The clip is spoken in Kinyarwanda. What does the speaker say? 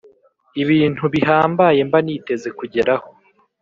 Ibintu bihambaye mba niteze kugeraho